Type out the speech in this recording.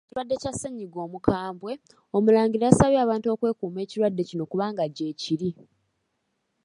Ku kirwadde kya ssennyiga omukambwe, Omulangira yasabye abantu okwekuuma ekirwadde kino kubanga gyekiri.